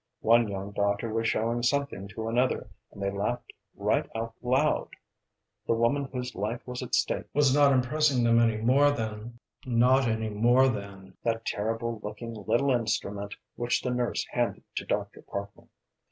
One young doctor was showing something to another, and they laughed right out loud! The woman whose life was at stake was not impressing them any more than not any more than that terrible looking little instrument which the nurse handed to Dr. Parkman.